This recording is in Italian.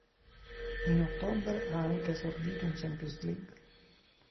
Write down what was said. In ottobre ha anche esordito in Champions League.